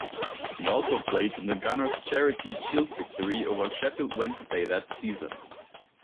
He also played in the Gunners' Charity Shield victory over Sheffield Wednesday that season.